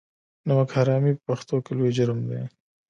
نمک حرامي په پښتنو کې لوی جرم دی.